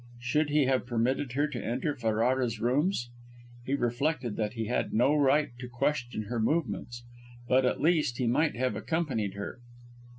Should he have permitted her to enter Ferrara's rooms? He reflected that he had no right to question her movements. But, at least, he might have accompanied her.